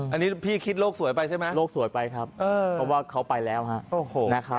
อันนี้พี่คิดโลกสวยไปใช่ไหมโลกสวยไปครับเพราะว่าเขาไปแล้วฮะ